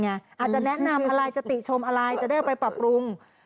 อาจจะแนะนำอะไรจะติชมอะไรจะได้เอาไปปรับปรุง